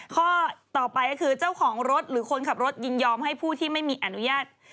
ข้อต่อไปก็คือเจ้าของรถหรือคนขับรถยินยอมให้ผู้ที่ไม่มีอนุญาต